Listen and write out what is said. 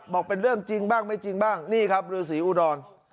บอกเป็นเรื่องจริงบ้างไม่จริงบ้างนี่ครับฤษีอุดร